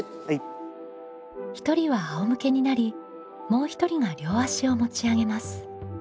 １人は仰向けになりもう一人が両足を持ち上げます。